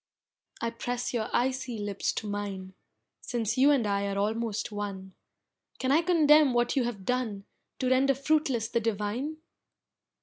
I press your icy lips to mine, Since you and I are almost one Can I condemn what you have done To render fruitless the divine?